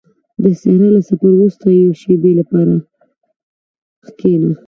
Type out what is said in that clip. • د صحرا له سفر وروسته د یوې شېبې لپاره کښېنه.